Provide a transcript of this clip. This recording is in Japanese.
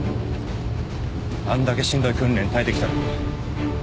あんだけしんどい訓練耐えてきたんだ。